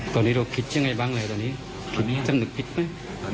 สำนึกพิษแต่สามลูกไม่รู้ว่าจะสำนึกพิษหรือเปล่า